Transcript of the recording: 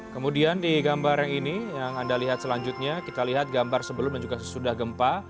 kemudian di gambar yang ini yang anda lihat selanjutnya kita lihat gambar sebelum dan juga sesudah gempa